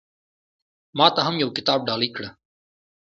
ما ته هم يو کتاب ډالۍ کړه